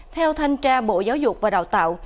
theo thanh tra bộ giáo dục và đào tạo